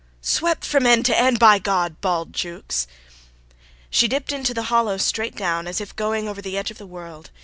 "Swept from end to end, by God!" bawled Jukes. She dipped into the hollow straight down, as if going over the edge of the world.